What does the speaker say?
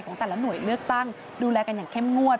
แต่ละหน่วยเลือกตั้งดูแลกันอย่างเข้มงวด